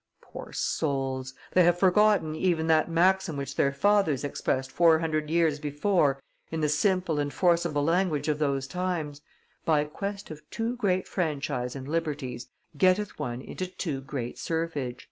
Poor souls! They have forgotten even that maxim which their fathers expressed four hundred years before in the simple and forcible language of those times: 'By quest of too great franchise and liberties, getteth one into too great serfage.